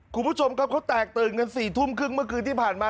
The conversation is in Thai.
คุณผู้ชมครับเขาแตกตื่นกัน๔ทุ่มครึ่งเมื่อคืนที่ผ่านมา